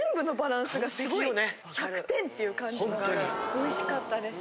おいしかったです！